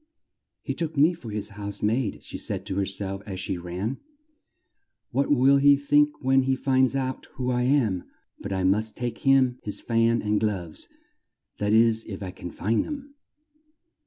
"He took me for his house maid," she said to her self as she ran. "What will he think when he finds out who I am! But I must take him his fan and gloves that is if I can find them."